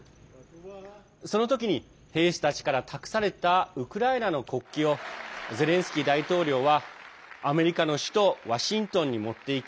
その時に兵士たちから託されたウクライナの国旗をゼレンスキー大統領はアメリカの首都ワシントンに持っていき